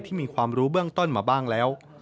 มีความรู้เบื้องต้นมาบ้างแล้ว